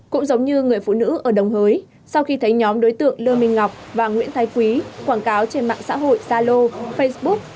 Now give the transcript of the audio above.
cũng giống như người phụ nữ ở đồng hới sau khi thấy nhóm đối tượng lương minh ngọc và nguyễn thái quý quảng cáo trên mạng xã hội zalo facebook